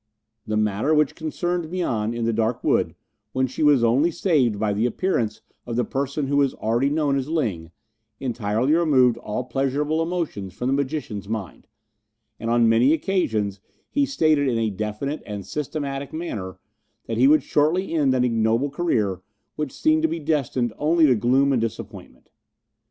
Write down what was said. The matter which concerned Mian in the dark wood, when she was only saved by the appearance of the person who is already known as Ling, entirely removed all pleasurable emotions from the magician's mind, and on many occasions he stated in a definite and systematic manner that he would shortly end an ignoble career which seemed to be destined only to gloom and disappointment.